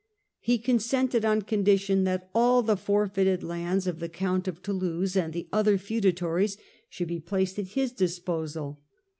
He consented on condition that all the for feited lands of the Count of Toulouse and the other feudatories should be placed at his disposal.